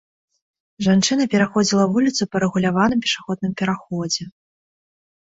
Жанчына пераходзіла вуліцу па рэгуляваным пешаходным пераходзе.